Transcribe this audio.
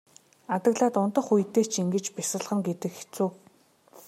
Адаглаад унтах үедээ ч ингэж бясалгана гэдэг хэцүү.